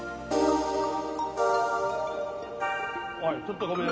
おいちょっとごめんよ。